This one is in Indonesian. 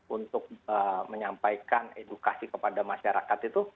untuk menyampaikan edukasi kepada masyarakat itu